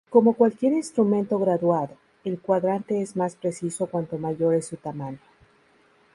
Como cualquier instrumento graduado, el cuadrante es más preciso cuanto mayor es su tamaño.